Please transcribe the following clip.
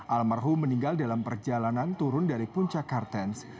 almarhum meninggal dalam perjalanan turun dari puncak kartens